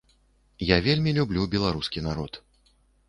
Я вельмі люблю беларускі народ.